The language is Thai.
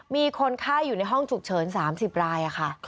มีคนไข้อยู่ในห้องฉุกเฉิน๓๐รายค่ะ